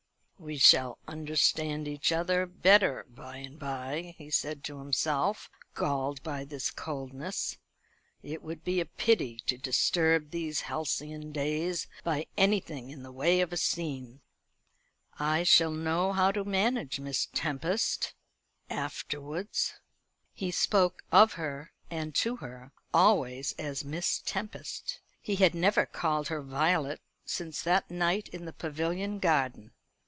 "We shall understand each other better by and by," he said to himself, galled by this coldness. "It would be a pity to disturb these halcyon days by anything in the way of a scene. I shall know how to manage Miss Tempest afterwards." He spoke of her, and to her, always as Miss Tempest. He had never called her Violet since that night in the Pavilion garden.